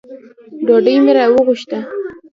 ډوډۍ مي راوغوښته .